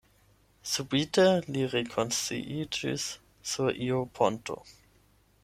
Subite li rekonsciiĝis sur iu ponto.